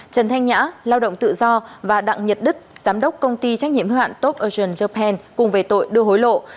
trần thanh nhã lao động tự do và đặng nhật đức giám đốc công ty trách nhiệm hưu hạn top ocean japan cùng về tội đưa hối lộ